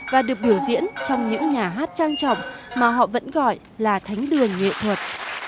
và được biểu diễn trong những nhà hát trang trọng mà họ vẫn gọi là thánh đường nghệ thuật